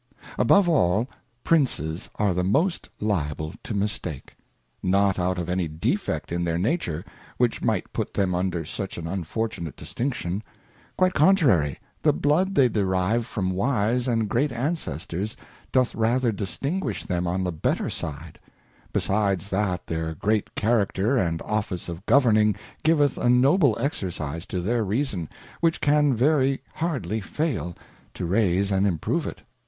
Above all. Princes are the most liable to Mistake ; not out of any defect in their Nature, which might put them under such an unfortunate distinction ; quite contrary, the blood they derive from wise and great Ancestors, doth rather distinguish them on the better side ; besides that their great Character and Office of Governing giveth a noble Exercise to their Reason, which can very hardly fail to raise and improve it.